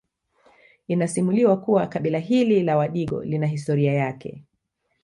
Inasimuliwa kuwa kabila hili la Wadigo lina histroria yake